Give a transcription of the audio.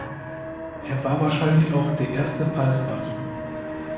Er war wahrscheinlich auch der erste Falstaff.